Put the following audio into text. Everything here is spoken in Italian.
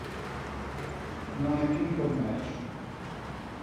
Non è più in commercio.